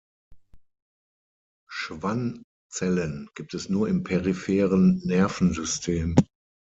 Schwann-Zellen gibt es nur im peripheren Nervensystem.